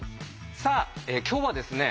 さあ今日はですね